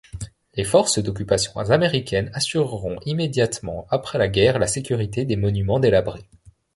Les forces d'occupation américaines assureront immédiatement après la guerre la sécurité des monuments délabrés.